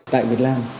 tại việt nam